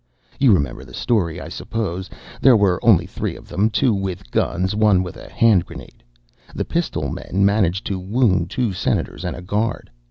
You remember the story, I suppose. There were only three of them, two with guns, one with a hand grenade. The pistol men managed to wound two Senators and a guard.